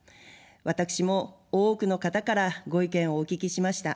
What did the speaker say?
私も多くの方からご意見をお聞きしました。